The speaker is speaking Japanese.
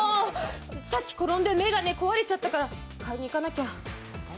さっき転んで眼鏡壊れちゃったから買いにいかなきゃ。